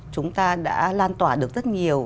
chúng ta đã lan tỏa được rất nhiều